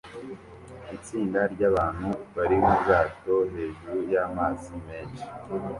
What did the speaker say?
Itsinda ryabantu bari mubwato hejuru yamazi menshi